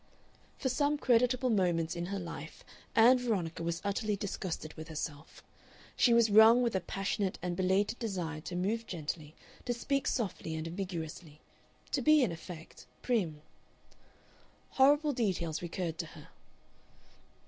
For some creditable moments in her life Ann Veronica was utterly disgusted with herself; she was wrung with a passionate and belated desire to move gently, to speak softly and ambiguously to be, in effect, prim. Horrible details recurred to her.